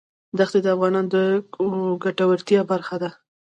دښتې د افغانانو د ګټورتیا برخه ده.